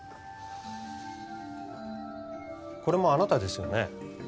これもあなたですよね？